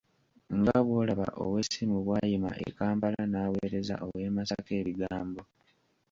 Nga bw'olaba ow'essimu bw'ayima e Kampala n'aweereza ow'e Masaka ebigambo.